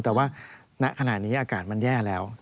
แต่ว่าณขณะนี้อากาศมันแย่แล้ว